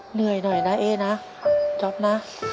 เหนื่อยหน่อยนะเอ๊นะจ๊อปนะ